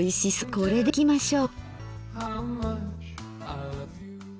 これでいきましょう。